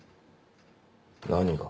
何が。